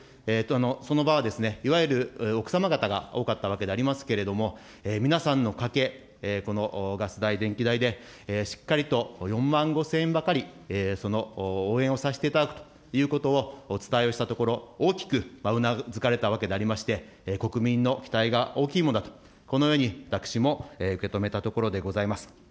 その場はいわゆる奥様方が多かったわけでありますけれども、皆さんの家計、このガス代、電気代でしっかりと４万５０００円ばかりその応援をさせていただくということをお伝えをしたところ、大きくうなずかれたわけでありまして、国民の期待が大きいものだと、このように私も受け止めたところでございます。